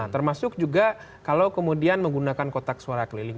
termasuk juga kalau kemudian menggunakan kotak suara keliling